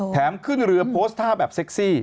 ขึ้นเรือโพสต์ท่าแบบเซ็กซี่